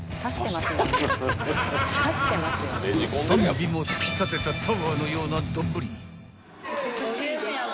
［３尾も突き立てたタワーのような丼］